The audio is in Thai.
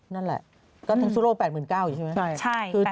นั่นแหละก็ทั้งทั่วโลก๘๙๐๐๐อีกใช่ไหมครับคือใช่